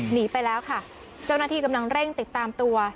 หนีไปแล้วค่ะเจ้าหน้าที่กำลังเร่งติดตามตัว